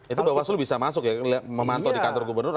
itu bawaslu bisa masuk ya memantau di kantor gubernur